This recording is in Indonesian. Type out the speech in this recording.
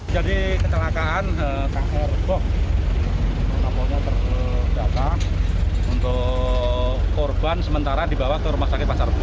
jadi kecelakaan kr reboh nampolnya terkejata untuk korban sementara dibawa ke rumah sakit pasar reboh